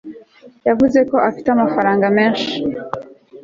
yavuze ko afite amafaranga menshi